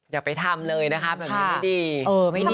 อย่าไปทำเลยนะครับแบบนี้ไม่ดี